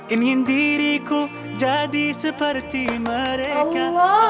ingin diriku jadi seperti mereka